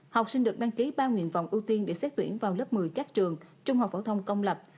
học sinh được đăng ký ba nguyện vọng ưu tiên để xét tuyển vào lớp một mươi các trường trung học phổ thông công lập